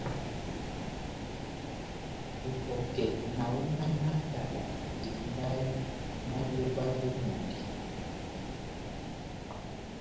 Epɔkɛ na hónganaha taba elimbahi náh lóba vó ŋʼhodi.